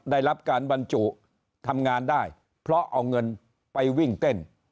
ได้รับการบรรจุทำงานได้เพราะเอาเงินไปวิ่งเต้น